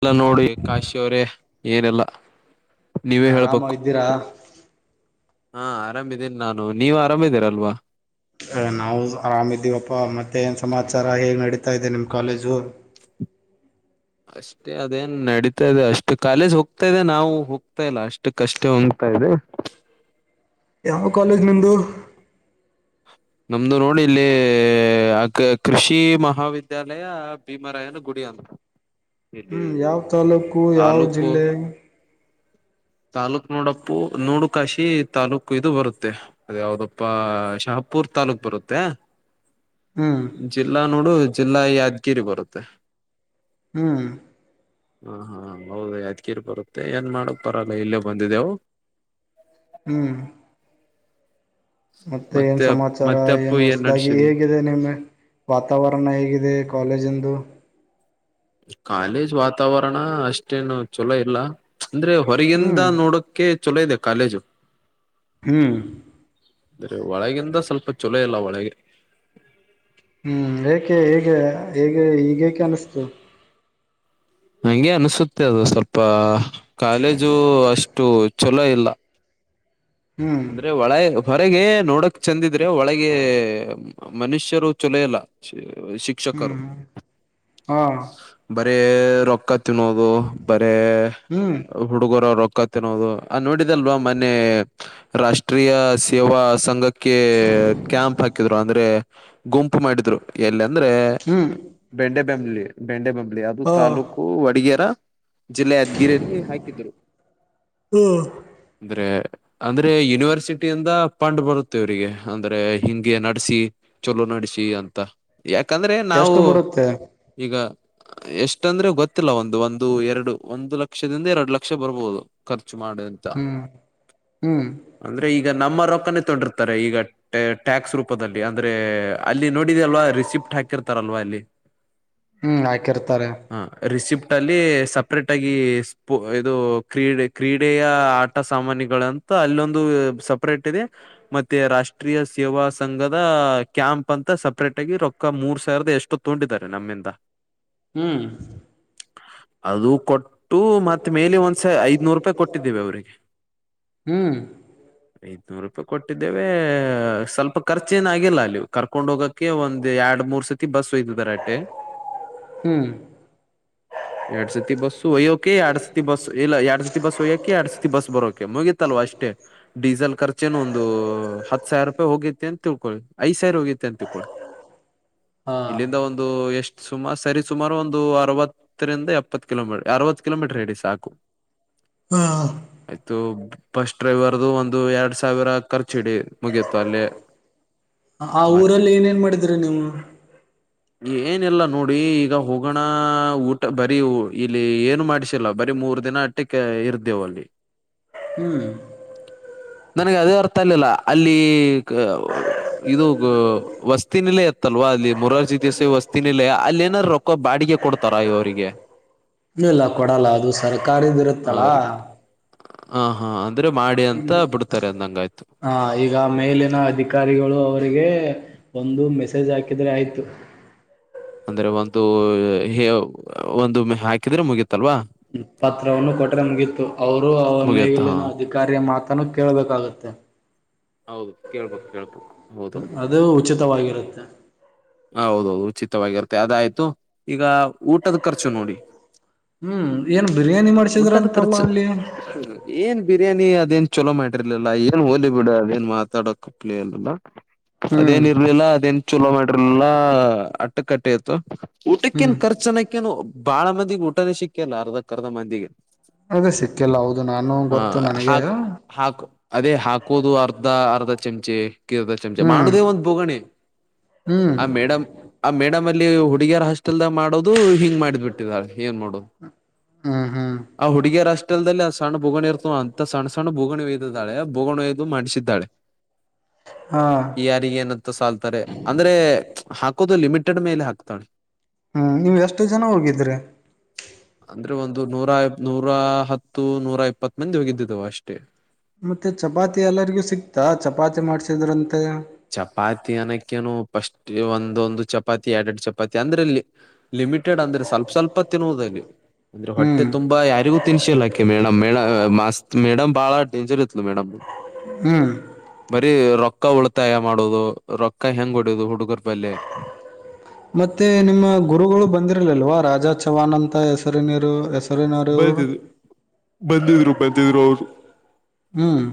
ಎಲ್ಲ ನೋಡಿ ಕಾಶ್ ಇವ್ರಿ ಏನಿಲ್ಲ. ಏನ್ ಆರಾಮ ಇದ್ದೀರಾ? ಹಾ ಆರಾಮಿದ್ದೀನಿ ನಾನು ನೀವ್ ಆರಾಮಿದೀರಲ್ವಾ. ನಾವು ಆರಾಮ ಇದೀವಪ್ಪಾ ಮತ್ತೆ ಏನು ಸಮಾಚಾರ ಹೇಗೆ ನಡೀತಾ ಇದೆ ನಿಮ್ಮ್ ಕಾಲೇಜು? ಅಷ್ಟೇ ಅದೇನ್ ನಡೀತಾ ಇದೆ ಅಷ್ಟು ಕಾಲೇಜ್ ಹೋಗ್ತಾ ಇದೆ ನಾವು ಹೋಗ್ತಾ ಇಲ್ಲ ಅಷ್ಟಕ್ಕಷ್ಟೆ ಒನ್ಕಾ ಇದೆ. ಯಾವ ಕಾಲೇಜ್ ನಿಮ್ದು? ನಮ್ದು ನೋಡಿಲ್ಲಿ ಆ ಕ ಕೃಷಿ ಮಹಾವಿದ್ಯಾಲಯ ಭೀಮರಾಯನ ಗುಡಿ ಅಂತ. ಇಲ್ಲಿ ಹ್ಮ್ ಯಾವ್ ತಾಲೂಕು ಯಾವ್ ತಾಲೂಕು ಜಿಲ್ಲೆ? ತಾಲೂಕ್ ನೋಡಪ್ಪು ನೋಡು ಕಾಶಿ ತಾಲೂಕ್ ಇದು ಬರುತ್ತೆ ಅದ್ ಯಾವ್ದಪ್ಪಾ ಶಹಪುರ್ ತಾಲೂಕ್ ಬರುತ್ತೆ. ಹ್ಮ್ ಜಿಲ್ಲಾ ನೋಡು ಜಿಲ್ಲಾ ಯಾದ್ಗಿರಿ ಬರುತ್ತೆ. ಹ್ಮ್ ಹಾ ಹಾ ಹೌದು ಯಾದ್ಗೀರಿ ಬರುತ್ತೆ ಏನ್ ಮಾಡೋದ್. ಪರಲ್ಲಾ ಇಲ್ಲೇ ಬಂದಿದೆವು. ಹ್ಮ್ ಮತ್ತೆ ಏನ್ ಸಮಾಚಾರ ಮತ್ತೆ ಅಪ್ಪು ಏನ್ ಹೊಸದಾಗಿ ನಡ್ಸಿದ್ವಿ ಹೇಗಿದೆ ನಿಮ್ಮ ವಾತಾವರಣ ಹೇಗಿದೆ ಕಾಲೇಜಂದು. ಕಾಲೇಜ್ ವಾತಾವರಣ ಅಷ್ಟೇನು ಚೊಲೋ ಇಲ್ಲಾ. ಅಂದ್ರೆ ಹೊರಗಿಂದ ಹ್ಮ್ ನೋಡಕ್ಕೆ. ಚುಲೋದೆ ಕಾಲೇಜು. ಹ್ಮ್ ಅದ್ರೆ ಒಳಗಿಂದ ಸ್ವಲ್ಪ ಚೊಲ ಇಲ್ಲಾ ಒಳಗೆ. ಹ್ಮ್ ಏಕೆ ಹೇಗೆ ಹೇಗೆ ಈಗೆಕೆ ಅನಸ್ತು. ಹಂಗೆ ಅನ್ಸುತ್ತೆ ಅದು ಸ್ವಲ್ಪ. ಕಾಲೇಜು ಅಷ್ಟು. ಚುಲೋ ಇಲ್ಲಾ. ಹ್ಮ್ ಅಂದ್ರೆ ಒಳ ಹೊರಗೆ. ನೋಡಕ್ ಚಂದಿದೆ. ಎ ಒಳಗೆ ಮನುಷ್ಯರು ಚೊಲೋಯಿಲ್ಲಾ ಚ. ಹ್ಮ್ ಹಾ ಎ ರೊಕ್ಕತ ತಿನ್ನೋದು ಬರೇ ಹ್ಮ್ ಹುಡುಗರವರ. ಕ ತಿನ್ನೋದು ಆ ನೋಡಿದಲ್ವಾ ಮನ್ನೇ. ರಾಷ್ಟ್ರೀಯ ಸೇವಾ ಸಂಘ. ಕೆ ಕ್ಯಾಂಪ್ ಹಾಕಿದ್ರು ಅಂದ್ರೆ. ಗುಂಪು ಮಾಡಿದ್ರು ಎಲ್ಲ. ಅಂದ್ರೆ ಹ್ಮ್ ಬೆಂಡೆ. ದಲ್ಲಿ ಬೆಂಡೆ ಬ ದೆ ಅದು ಹಾ ತಾಲೂಕು ವಡಿಗೇರಾ. ಜಿಲ್ಲೆ ಯದ್ಗಿರಿಯಲ್ಲಿ ಹಾಕಿದ್ರು. ಹ ಎ ಅಂದ್ರೆ ಯೂನಿವರ್ಸಿಟಿಯಿಂದ ಪಂಡು ಬರುತ್ತೆವ್ರಿಗೆ ಅಂದ್ರೆ ಹಿಂಗೆ ನಡ್ಸಿ ಚೊಲೋ ನಡ್ಸಿ ಅಂತಾ. ಯಾಕಂದ್ರೆ ನಾವು ಎಷ್ಟು ಬರುತ್ತೆ ಈಗಾ. ಎಷ್ಟಂದ್ರೆ ಗೊತ್ ತ್ತಿಲ್ಲ ಒಂದು ಒಂದು ಎರಡು ಒಂದು ಲಕ್ ಕ್ಷದಿಂದ ಎರಡು ಲಕ್ಷ ಬರಬಹುದು ಕಾರ್ ಚಾಚ್ ಮಾಡು ಅಂತ. ಹ್ಮ್ ಹ್ಮ್ ಅಂದ್ರೆ ಈಗ ನಮ್ಮ ರೊಕ್ಕನೇ ತೊಂಡಿರ್ತಾರೆ ಈಗ ಟ್ಯಾಕ್ಸ್ ರೂಪದಲ್ಲಿ ಅಂದ್ರೆ. ಅಲ್ಲಿ ನೋಡಿದೆ ಅಲ್ವಾ ರಿಸಿಪ್ಟ್ ಹಾಕಿರ್ತಾರಲ್ವಾ ಅಲ್ಲಿ. ಹ್ಮ್ ಹಾಕಿರ್ತಾರೆ. ಲ್ಲಿ ಸಪ್ರೇಟ್ ಆಗಿ ಸ್ಪೋ ಇದು ಕ್ರೀಡೆ ಕ್ರೀಡೆಯ ಆಟ ಸಾಮಾನ್ಯಿಗಳ ಅನ್ ತ್ತ ಅಲ್ಲೊಂದು ಸಪ್ರೇಟ್ ಇದೆ ಮತ್ತೆ ರಾಷ್ಟ್ರೀಯ ಸೇವಾ ಸಂಘದ ಕ್ಯಾಂಪ್ ಅಂತ ಸಪ್ರೇಟ್ ಆಗಿ ರೊಕ್ಕ ಮೂರ್ ಸಾವಿರದ ಎಷ್ಟೊ ತಗೊಂಡಿದ್ದಾರೆ ನಮ್ಮಿಂದ. ಹ್ಮ್ ಅದು ಕೊಟ್ ಟೂ ಮತ್ತ ಮೇಲೆ ಒಂದ್ಸ ಐದನೂರು ರೂಪಾಯಿ ಕೊಟ್ಟಿದ್ದೇವಿ ಅವರಿಗೆ. ಹ್ಮ್ ಐದನೂರು ರೂಪಾಯಿ ಕೊಟ್ಟಿದ್ದೇವೆ ಸ್ವಲ್ಪ ಖರ್ಚ ಏನ್ ಆಗಿಲ್ಲ ಅಲ್ಲಿವು ಕರ್ಕೊಂಡ್ ಹೋಗೋಕ್ಕೆ ಒಂದ್ ಎರಡ್ ಮೂರ್ ಸತಿ ಬಸ್. ಹ್ಮ್ ಎರಡ್ ಸತಿ ಬಸ್ಯ್ಯೋಕೆ ಎರಡ್ ಸತಿ ಬಸ್ ಇಲ್ಲ ಎರಡ್ ಸತಿ ಬಸ್ ಒಯ್ಯೋಕೆ ಎರಡ್ ಸತಿ ಬಸ್ ಬರೋಕೆ ಮುಗಿತ್. [unintelligible] ಅಷ್ಟೇ ಡಿಜಲ್ ಕಾರ್. ಅಚ್ಚೇನು ಒಂದು ಹತ್ತು ಸಾವಿರ ರೂಪಾಯಿ ಹೋಗಿತ್ ಏನ್. ಐ ಸರಿ ಹೋಗಿ. [unintelligible] ಹಾ ಇಲ್ಲಿಂದ ಒಂದು ಎಷ್ ಸುಮಾ ಸರಿ ಸುಮಾರು ಒಂದು ಅರವತ್ತರಿಂದ ಎಪ್ಪತ್ತು ಕಿಲೋಮೀಟ ಅರವತ್ ಕಿಲೋಮೀಟ್ರ ಹಿಡಿ ಸಾಕು. ಹ [unintelligible] ಬಸ್ ಡ್ರೈವರ್ ಒಂದು ಎರಡ್ ಸಾವಿರ ಖರ್ಚು ಇಡಿ ಮುಗಿಯತು ಅಲ್ಲೇ ಮತ್. ಇದ್ರೆ ನೀವು. ಏನಿಲ್ಲ ನೋಡಿ ಈಗ ಹೋಗೋಣ ಊಟ ಬರೀ ಇಲ್ಲಿ ಏನು ಮಾಡಿಸಿಲ್ಲ ಬರೀ ಮೂರ್ ದಿನ ಅಟ್ಟಕ್ಕೆ ಇರ್ತೇವ್ ಅಲ್ಲಿ. ಹ್ಮ್ ನನಗೆ ಅದೇ ಅರ್ಥ ಅಲಿಲ್ಲ ಅಲ್ಲಿ ಇದು ವಸ್ತಿನಲೇ ಇತ್ತಲ್ವಾ ಅಲ್ಲಿ ಮುರಾರ್ಜಿ. ಜಿ ವಸ್ತಿನ್ ನಿಲಯ ಅಲ್ಲಿ ಏನಾದಾರರು ರೊಕ್ಕ ಬಾಡಿಗೆ ಕೊಡ್ತಾರಾ ಇವರಿಗೆ. ಇಲ್ ಇಲ್ಲ ಕೊಡಲ್ಲ ಅದು ಸರ್ಕಾರಿದ್ ಇರುತ್ತಲಾ. ಹಾ ಹಾ ಅಂದ್ರೆ ಮಾಡಿ ಅಂತ ಇಲ್ಲಿ ಬಿಡ್ತಾರೆ ಅಂದಂಗ ಆಯ್ತು ಹ ಈಗ ಮೇಲಿನ ಅಧಿಕಾರಿಗಳು ಅವರಿಗೆ. ಒಂದು ಮೆಸೇಜ್ ಹಾಕಿದ್ರೆ ಆಯ್ತು. ಅಂದ್ರೆ ಒಂದು ಒಂದು ಹಾಕಿದ್ರೆ ಮುಗಿತು. ಪತ್ರವನ್ನು ಕೊಟ್ರೆ ಮುಗಿತು ಅವರು ಅವ ಮುಗಿಯತ್ತ ಹಾ ಮೇಗಲಿನ ಅಧಿಕಾರಿಯ ಮಾತ್ರ. ತನ ಕೇಳ್ಬೇಕಾಗತ್ತೆ. ಹೌದು ಕೇಳ್ಬಕ್ ಕೇಳ್ಬಕ್ ಹೌದೌದು. ಅದು ಉಚಿತವಾಗಿರುತ್ತೆ ಹೌದೌದು ಉಚಿತವಾಗಿರುತ್ತೆ ಅದಾಯ್ತು ಈಗ. ಊಟದ ಖರ್ಚು ನೋಡಿ ಹ್ಮ್ ಏನ್ ಬಿರಿಯಾನಿ ಮಾಡ್ಸಿದ್ರ ಊಟದ ಅಂತಲ್ಲ ಖರ್ಚು ಅಲ್ಲಿ ಏನ್ ಬಿರಿಯಾನಿ ಅದೇನ್. ಚಲೋ ಮಾಡಿರ್ಲಿಲ್ಲ ಏನ್ ಹೋಲಿ ಬಿಡ ಏನ್ ಮಾತಾಡ ಕಪ್ಲಿ ಅಲ್ಲ. ಹ್ಮ್ ಅದೇನ್ ಇರ್ಲಿಲ್ಲ ಅದೇನ್ ಚಲೋ ಮಾಡ್ರಿ. ಟ್ರಿಲ ಅಟ್ಟು ಕಟ್ಟೆತ್ತುು. ಊಟಕ್ಕೇನ್ ಹ್ಮ್ ಖರ್ಚನಕ್ಕೇನು ಬಾಳ ಮ. ಊಟನೇ ಸಿಕ್ಕಲ್ಲ ಅರ್ಧಕ್ಕ ಅರ್ಧ ಮಂದಿಗೆ. ಅದೇ ಸಿಕ್ಕಿಲ್ಲ ಹೌದು ನಾನು ಹ ಗೊತ್ತು ನನಗೆ. ಹಾಕು ಹಾಕು ಅದೇ ಹಾಕೋದು ಅರ್ಧ ಅರ್ಧ ಚಮಚೆ. ಅರ್ಧ ಚಮಚೆ ಮಾಡ ಹ್ಮ್ ದೇ ಒಂದು ಬೋಗಣಿ. ಹ್ಮ್ ಆ ಮೇಡಮ್ ಆ ಮೇಡಮ್ ಅಲ್ಲಿ ಹುಡುಗಿ. ಹುಡುಗಿಯರು ಹಾಸ್ಟೆಲ್ ದಾಗ ಮಾಡೋದು ಹಿಂಗ್ ಮಾಡ್ ಬಿಟ್ಟಿದ್ದಾರೆ ಏನ್ ಮಾಡೋದು. ಹ್ಮ ಹ್ಮ. ಹಾಸ್ಟೆಲ್ ದಲ್ಲಿ ಸಣ್ಣ ಬುಗಣಿ ಇರ್ತ ಅಂತ ಸಣ್ಣ ಸಣ್ಣ ಬುಗಣಿ ಒಯ್ದಿದ್ದಾಳೆ ಬುಗಣಿ ಒಯ್ದು ಮಾಡ್ಸಿದ್ದಾಳೆ. ಹಾ ಯಾರಿಗ ಏನತ್ತ ಸಲ್ತಾರೆ. ಹಾಕೋದು ಲಿಮಿಟೆಡ್ ಮೇಲೆ ಹಾಕ್ತಾಳೆ. ಹ್ಮ್ ನೀವ್ ಎಷ್ಟು ಜನ ಹೋಗಿದ್ರಿ. ಅಂದ್ರೆ ಒಂದು ನೂರಾ ನೂರಾ ಹತ್ತು ನೂರ ಇಪ್ಪತ್ ಮಂದಿ ಹೋಗಿದ್ದಿದ್ದವ ಅಷ್ಟೇ. ಮತ್ತೆ ಚಪಾತಿ ಎಲ್ಲರಿಗೂ ಸಿಕ್ತಾ ಚಪಾತಿ ಮಾಡ್ಸಿದ್ರಂತ. ಚಪಾತಿ ಅನಕ್ಕೇನು. ಫಸ್ಟ್ ಒಂದೊಂದು ಚಪಾತಿ ಎರಡೆರಡು ಚಪಾತಿ ಅಂದ್ರೆಲ್ಲಿ ಲಿಮಿಟೆಡ್ ಅಂದ್ರೆ ಸ್ವಲ್ಪ ಸ್ವಲ್ಪ ತಿನ್ನುವುದಲ್ಲಿ. ಅಂದ್ರೆ ಹೊಟ್ಟೆ ಹ್ಮ್ ತುಂಬಾ ಯಾರಿಗೂ ತಿನ್ಸಿಲ್ಲಾ ಆಕಿ ಮೇಡಂ ಮೇಡಂ ಮಸ್ತ್ ಮೇಡಂ. ಬಹಳ ಡೇಂಜರ್ ಇದ್ಲು ಮೇಡಂ. ಹ್ಮ್. ಬರಿ ರೊಕ್ಕ ಉಳ. ಉಳಿತಾಯ ಮಾಡೋದು ರೊಕ್ಕ ಹೆಂಗ್ ಹೊಡಿಯೋದು ಹುಡುಗರ್ ಬಳಿ. ಮತ್ತೆ ನಿಮ್ಮ ಗುರುಗಳು ಬಂದಿರಲಿಲ್ವಾ ರಾತ್. ರಾಜ ಚವಾನ್ ಅಂತ ಹೆಸರಿನಿರೀವ್ ಹೆಸ್... ಬಂದಿದ್ರು ಬಂದಿದ್ರು ಬಂದಿದ್ರು ಅವರು ಹ್ಮ್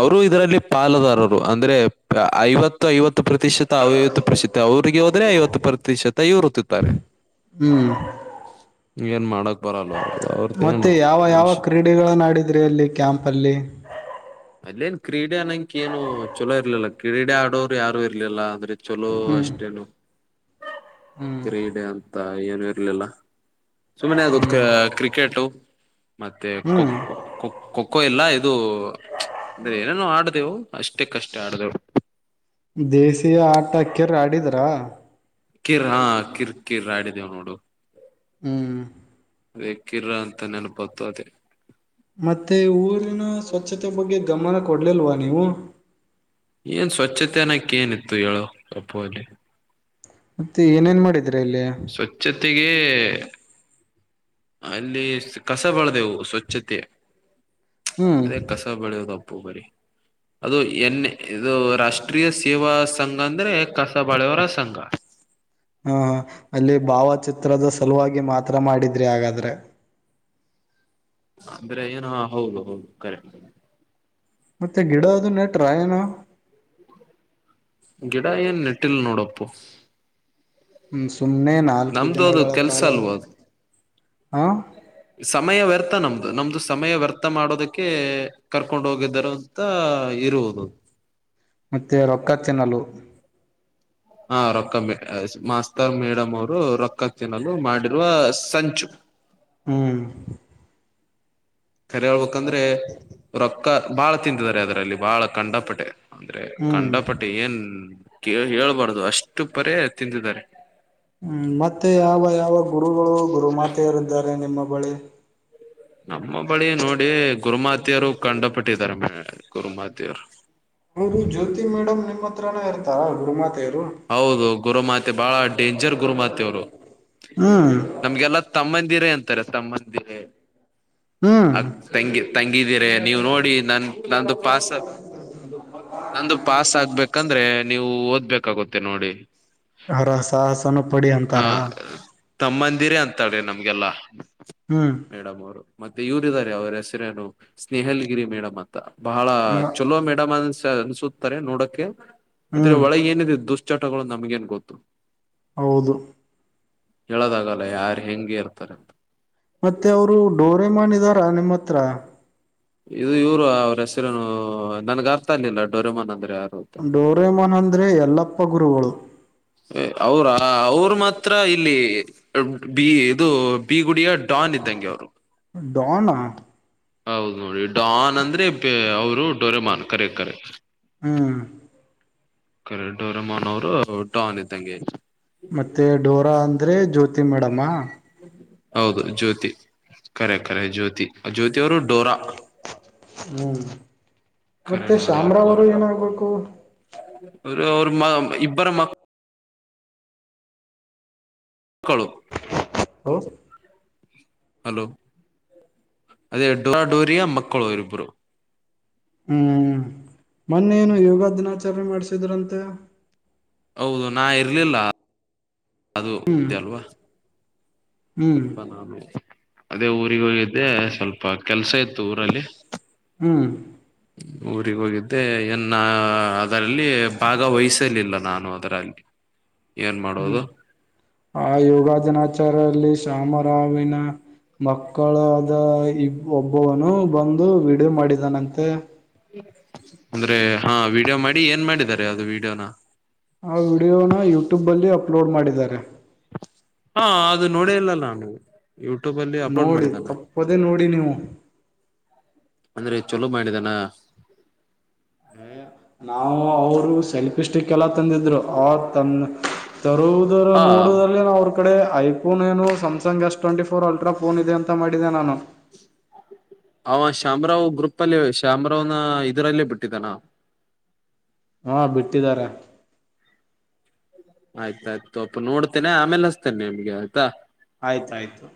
ಅವರು ಇದರಲ್ಲಿ ಪಾಲುದಾರರು. ಅಂದ್ರೆ ಐವತ್ತು ಐವತ್. ಪ್ರತಿಶತ ಐವತ್ತು ಪ್ರಶೀತ ಅವರಿಗೆ ಹೋದ್ರೆ ಐವತ್ತು ಪ್ರತಿಶತ ಇವರು ತಿಂತಾರೆ. ಹ್ಮ್ ಏನ್ ಮಾಡಕ್.. ಬರಲ್ಲ ಅವ್ರದ್ದು ಅವ್ರದ್ದು ಮತ್ತೆ ಏನು ಯಾವ ಯಾವ ಮನುಷ್ಯ ಕ್ರೀಡೆಗಳನ್ನಾಡಿದ್ರಿ ಅಲ್ಲಿ ಕ್ಯಾಂಪಲ್ಲಿ. ಕ್ರೀಡ ಅನ್ನಂಗ್.. ಕ್ಕೆನು ಚಲೋ ಇರ್ಲಿಲ್ಲ. ಕ್ರೀಡೆ ಆಡೋರು ಯಾರು ಇರ್ಲಿಲ್ಲಾ ಅಂದ್ರಿ. ಚಲೋ ಹ್ಮ್ ಅಷ್ಟೇನು. ಹ್ಮ್ ಕ್ರೀಡೆ ಅಂತ ಏನು ಇರ್ಲಿಲ್ಲ. ಸುಮ್ಮನೆ ಅದು. ಕ್ರ ಕ್ರಿಕೆಟು. ಮತ್ತೆ ಖೋ ಹ್ಮ್ ಖೋ ಖೋ ಖೋ ಖೋ ಇಲ್ಲಾ ಅದು ಏನೋ ಆಡತೆವು. ಅಷ್ಟೇ ಕಷ್ಟೆ ಆಡ್ದು ದೇಸಿಯ ಆಟಕ್ಕಿರ್ ಆಡಿದ್ರಾ. ಕಿರ್ ಹಾ ಕಿರ್ ಕಿರ್ ಆಡಿದ್. ನೋಡಿ. ು ಹ್ಮ್ ದಕ್ಕಿರ ಅಂತ ನೆನಪಾಗ್ತಾ ಅದೇ. ಮತ್ತೆ ಊರಿನ ಸ್ವಚ್ಛತೆ ಬಗ್ಗೆ ಗಮನ ಕೊಡ್ಲಿಲ್ವಾ ನೀವು. ಏನ್ ಸ್ವಚ್ಚೆತೆ ಅನ್ನಕೆ ಏನಿತ್ತು ಹೇಳು ರಪ್ಪಲ್ಲಿ ಮತ್ತೆ ಏನೇನ್ ಮಾಡಿದ್ರಿ ಅಲ್ಲಿ. ಸ್ವಚ್ಛತೆಗೆ ಅಲ್ಲಿ ಕಸ ಬಳ.. ಸ್ವಚ್ಛತೆ ಹ್ಮ್ ಅದ ಕಸ ಬಳ್ಯೊದು. ಪ್ಪಬರಿ ಅದು ಎನ್ ಇದು ರಾಷ್ಟ್ರೀಯ ಸೇವಾ ಸಂಘ ಅಂದ್ರೆ ಕಸಬಳೆಯವರ ಸಂಘ. ಹಾ ಅಲ್ಲಿ ಭಾವಚಿತ್ರದ ಸಲುವಾಗಿ ಮಾತ್ರ ಮಾಡಿದ್ರಿ ಹಾಗಾದ್ರೆ. ಅಂದ್ರೆ ಏನು ಹೌದು ಹೌದು ಕರೆಕ್ಟ್. ಮತ್ತೆ ಗಿಡ ಅದು ನೆಟ್ರಾ ಏನು. ಗಿಡ ಏನ್ ನೆಟ್ಟಿಲ್ ನೋಡಪ್ಪು. ಹ್ಮ್ ಸುಮ್ನೆ ನಾಲ್ಕು ನಮ್ದು ಅದು ದಿನಗಳ ಕೆಲ್ಸ ಕಾಲ ಅಲ್ವ ಅದು ಹಾ ಸಮಯ ವ್ಯರ್ಥ ನಮ್ದು ನಮ್ದು ಸಮಯ ವ್ಯರ್ ಥ ಮಾಡೋದಕ್ಕೆ ಕರ್ಕೊಂಡ್ ಹೋಗಿದ್ದರು ಅಂತ. ಇರುವುದು ಮತ್ತೆ ರೊಕ್ಕ ತಿನ್ನಲು. ಹಾ ರೊಕ್ಕ ಮ ಮಾಸ್ತರ್ ಮೇಡಮ್ ಅವರು ರೊಕ್ಕ ತಿನ್ನಲು ಮಾಡಿರುವ ಸಂಚು. ಹ್ಮ್ ಕರೆ ಹೇಳ್ಬಕ್. ಯಾಕಂದ್ರೆ ರೊಕ್ಕ. ಬಾಳ ತಂತಿದ್ದಾರೆ ಅದರಲ್ಲಿ ಬಹಳ ಕಂಡಪಟ್ಟೆ. ಅಂದ್ರೆ ಹ್ಮ್ ಕಂಡಪಟ್ಟಿ ಏನ್. ಕ್ಕೆ ಹೇಳ್ಬಾರ್ದು ಅಷ್ಟು ಪರೇ ತಿಂದಿದ್ದಾರೆ. ಹ್ಮ್ ಮತ್ತೆ ಯಾವ ಯಾವ ಗುರುಗಳು ಗುರುಮಾತ ಯಾರ್ ಇದಾರೆ ನಿಮ್ಮ ಬಳಿ. [inaudible] ನಮ್ಮ ಬಳಿ ನೋಡಿ ಗುರುಮಾತೆಯರು ಕಂಡ ಪಟ್ಟಿದ್ದಾರೆ ಮ. ಗುರುಮಾತೆಯರು. ಹೌದು ಜ್ಯೋತಿ ಮೇಡಮ್ ನಿಮ್ಮ. [unintelligible] ಇರ್ತರ ಗುರು ಮಾತೆ ಹೌದು ಗುರುಮಾತೆ ಬಹಳ ಡೇಂಜರ್ ಗುರುಮಾತೆ ಅವರು ಹ್ಮ್ ನಮ್ಗೆಲ್ಲ ತಮ್ಮ. ಮಂದಿರ ಅಂತಾರೆ ತಮ್ಮಂದಿರ. ಅ ಹ್ಮ್ ತಂಗಿ ತಂಗಿದೀರೆ ನೀವು ನೋಡಿ ನನ್ ನಂದು ಪಸ್ ನಂದು ಪಾಸ್ ಆಗ್ಬೇಕಂದ್ರೆ ನೀವು ಓದ್ಬೇಕ್. ಕಗುತ್ ಮತ್ತೆ ನೋಡಿ. ಹರ ಸಾಹಸನ ಪಡಿ ಹ ಅಂತಾರ ತಮ್ಮಂದಿರೆ ಅಂತ್. ಮಾತಾಡೇ ನಮ್ಗೆಲ್ಲಾ. ಹ್ಮ್ ಮೇಡಮ್ ಅವರು. ಮತ್ತೆ ಇವರಾರೆ ಅವರ ಹೆಸರೇನು ಸ್ನೇಹಲ್ಗಿರಿ ಮೇಡಮ್ ಅಂತ. ಬಹಳ ಚಲೋ ಮೇಡಮ್ ಅನ್ಸ್. ತ್ತ್ ಅನ್ಸುತ್ತಾರೆ ನೋಡಕ್ಕೆ. ಆದ್ರೆ ಹ್ಮ್ ಒಳಗೇನಿದೆ ದುಷ್. ತೋಗೋಳ್ಡ್ ನಮ್ಗಏನ್ ಗೊತ್ತು? ಹೌದು. ಹೇಳೋದಾಗಲ್ಲ ಯಾರ ಹೆಂಗೆ ಇರ್ತಾರೆ ಅಂತ. ದರ ನಿಮ್ಮತ್ರ, ಇದು ಇವರು, ಅವ್ರ ಹೆಸರನು? ನನ್ಗ್ ಅರ್ತ ಅ ಇಲ್ಲ. ಡೊರೆಮನ್ ಅಂದ್, ಯರು ಹುತ್ತ. ಡೋರೆಮಾನ್ ಅಂದ್ರೆ ಯಲ್ಲಪ್ಪ ಗುರುಗಳು ಅವರ ಅವರು ಮಾತ್ರ ಇಲ್ಲಿ, ಬಿ ಇದು ಬಿ ಗುಡಿಯ ಡಾನ್ ಇದ್ದಂಗೆ ಅವ್ರು, ಡಾನ್, ಹ [inaudible] ಡಾನ್ ಅಂದ್ರೆ ಅವರು ಡೊರೆಮಾನ್. ಕರೆ, ಕರೆ. ಹ್ಮ್. ಕರೆಡೂರಮನವರು ಡೊನಿಡ್ಡಂಗೆ. ಮತ್ತೆ ಡೋರಾ ಅಂದ್ರೆ ಜ್ಯೋತಿ ಮೇಡಮಾ, ಹೌದು ಜ್ಯೋತಿ. ಕರೆ ಕರೆ ಕಖರೆ ಜ್ಯೋತಿ. ಆ ಜ್ಯೋತವರು ಡೋರಾ, ಹ್ಮ್ ಕರೆ ಮತ್ತೆ ನೋಡಿ ಅಪ್ಪು ಶಾಮರಾವರು ಏನಾಗ್ಬೇಕು? ಅರೆ ಅವ್ರ ಮ ಇಬ್ಬರ ಮ, ಕ್ಕಳು. ಓಹೋ. ಹಲೋ ಅದೇ ಡಡೋರಿಯಾ ಮಕ್ಕಳುರಿಬ್ರು. ಹ್ಮ್ಹೂ ಮೊನ್ನೇನು ಯೋಗ ದಿನಾಚರಣೆ ಮಾಡ್ಸಿದ್ರಂತೆ, ಹೌದು ನಾ ಇರ್ಲಿಲ್ಲ. ಅದು ಹ್ಮ್ ತೆಅಲ್ವಾ, ಹ್ಮ್ ಸ್ವಲ್ಪ ನಾಮೇಲೆ. ಅದೇ ಊರಿಗೆ ಹೋಗಿದ್ದೆ. ಸ್ವಲ್ಪ ಕೆಲ್ಸ ಇತ್ತು ಊರಲ್ಲಿ, ಹ್ಮ್. ಊರಿಗೆ ಹೋಗಿದ್ದೆ ಏನ್ನಾ ದಲ್ಲಿ ಭಾಗವಹಿಸಲಿಲ್ಲ ನಾನು ಅವ್, [unintelligible] ಹ್ಮ್ ಆ ಯೋಗ ದಿನಾಚಾರ ರಲ್ಲಿ ಶಾಮರಾವಿನ ಮಕ್ಕಳಾದ ಇ ಒಬ್ಬವನು ಬಂದು ವೀಡ್ಯೊ ಮಾಡಿದಾನಂತೆ. ಅಂದ್ರೆ ಹಾ ವೀಡಿಯೋ ಮಾಡಿ ಏನ್ ಮಾಡಿದ್ದಾರೆ ಅದು ವಿಡಿಯೋನ? ಆ ವೀಡಿಯೋನ ಯೂಟ್ಯೂಬ್ ಅಲ್ಲಿ ಅಪ್ಲೋಡ್ ಮಾಡಿದ್ದಾರೆ. ಹಾ ಅದು ನೋಡೆ ಇಲ್ಲ ನಾನು. ಯೂಟ್ಯೂಬ್ ಅಲ್ಲಿ ಅಪ್ಲೋಡ್ ನೋಡಿ ಮಾಡಿದಾನ ತಪ್ಪದೆೇ ನೋಡಿ ನೀವು. ಅಂದ್ರೆ ಚಲೋ ಮಾಡಿದಾನ? ನಾವು ಅವರು ಸೆಲ್ಫಿ ಸ್ಟಿಕ್ಕೆಲ್ಲ ತಂದಿದ್ರು ಆ ತನ್ನ್ ತರುವುದರ ಆ ನೋಡುವಲ್ಲೆ ನ್ ಅವ್ರ್ ಕಡೆ. ಐಫೋನ್ ಏನು Samsung S twenty four ultra phone ಇದೆ ಅಂತ ಮಾಡಿದೆ ನಾನು. ಅವ ಶಾಮರಾವ್ ಗ್ರೂಪಲ್ಲೇ ಶಾಮರಾವ್ನ ಇದರಲ್ಲೇ ಬಿಟ್ಟಿದ್ದಾನ? ಹಾ ಬಿಟ್ಟಿದಾರೆ. ಆಯ್ತಾಯ್ತು ತೋಪ್ಪ ನೋಡ್ತೇನೆ ಆಮೇಲೆ ಹಸ್ತೇನೆ ನಿಮ್ಗೆ ಆಯ್ತಾ. ಆಯ್ತಾಯ್ತು.